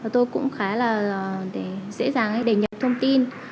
tôi cũng khá là dễ dàng để nhập thông tin